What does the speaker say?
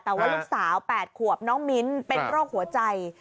แต่ว่าลูกสาว๘ขวบน้องมิ้นเป็นโรคหัวใจ